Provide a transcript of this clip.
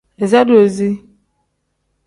Iza doozi.